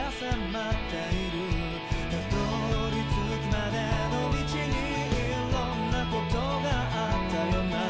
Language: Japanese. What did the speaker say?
「辿り着くまでの道にいろんなことがあったよな」